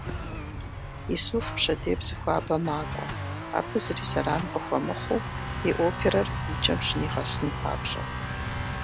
Исуф пщэдей Псыхуабэ макӏуэ, абы зыри зэран къыхуэмыхъуу, и оперэр икӏэм щынигъэсын папщӏэ.